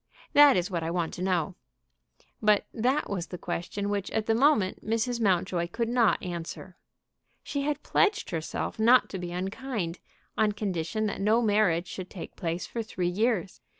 That is what I want to know." But that was the question which at the moment Mrs. Mountjoy could not answer. She had pledged herself not to be unkind, on condition that no marriage should take place for three years.